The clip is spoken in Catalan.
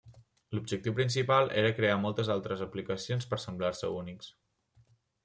L'objectiu principal era crear moltes altres aplicacions per semblar-se a Unix.